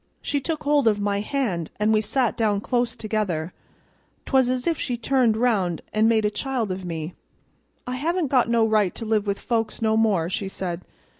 "She took hold of my hand, and we sat down close together; 'twas as if she turned round an' made a child of me. 'I haven't got no right to live with folks no more,' she said.